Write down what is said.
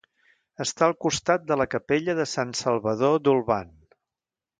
Està al costat de la capella de Sant Salvador d'Olvan.